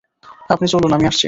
আপনি চলুন, আমি আসছি।